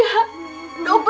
dabel cuk buat ngidupin mama